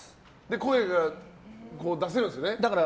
声が出せるんですよね。